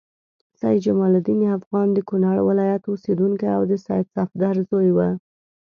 سید جمال الدین افغان د کونړ ولایت اوسیدونکی او د سید صفدر زوی و.